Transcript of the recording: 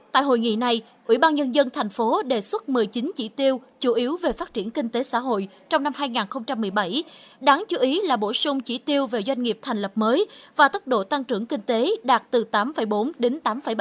tại hội nghị này ủy ban nhân dân thành phố đề xuất một mươi chín chỉ tiêu chủ yếu về phát triển kinh tế xã hội trong năm hai nghìn một mươi bảy đáng chú ý là bổ sung chỉ tiêu về doanh nghiệp thành lập mới và tốc độ tăng trưởng kinh tế đạt từ tám bốn đến tám ba